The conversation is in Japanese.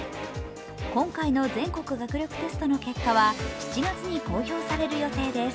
今回の全国学力テストの結果は７月に公表される予定です。